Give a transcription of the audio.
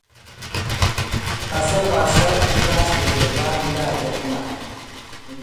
آسف آسف یو لاست دے گیربان یو لاست دے خونہ